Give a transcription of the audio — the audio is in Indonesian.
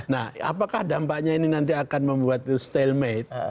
nah apakah dampaknya ini nanti akan membuat itu stalemate